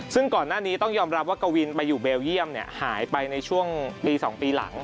ซึ่งก่อนหน้านี้ต้องยอมรับว่ากวินไปอยู่เบลเยี่ยมหายไปในช่วงปี๒ปีหลัง